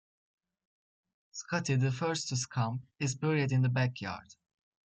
Scottie, the first to succumb, is buried in the back yard.